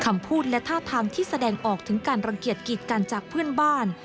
คำพูดและท่าทางที่แสดงออกถึงการรังเกียจกีดกันจากเพื่อนบ้าน